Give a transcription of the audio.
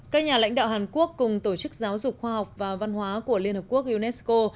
các nhà lãnh đạo hàn quốc cùng tổ chức giáo dục khoa học và văn hóa của liên hợp quốc unesco